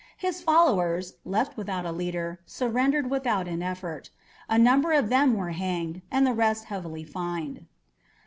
His followers, left without a leader, surrendered without an effort; a number of them were hanged, and the rest heavily fined.